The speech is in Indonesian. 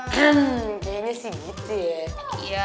kayanya sih gitu ya